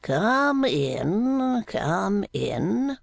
'Come in, come in!